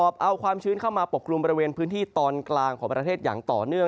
เอาความชื้นเข้ามาปกกลุ่มบริเวณพื้นที่ตอนกลางของประเทศอย่างต่อเนื่อง